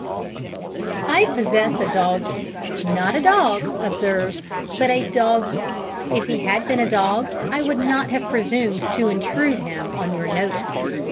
I possess a doggie not a dog, observe, but a doggie. If he had been a dog I would not have presumed to intrude him on your notice.